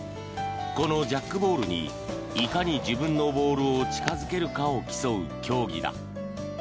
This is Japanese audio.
このジャックボールにいかに自分のボールを近付けるかを競う競技だ。